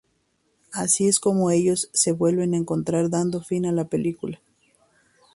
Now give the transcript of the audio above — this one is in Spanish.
Así es como ellos se vuelven a encontrar dando fin a la película.